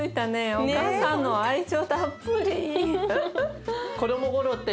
お母さんの愛情たっぷり。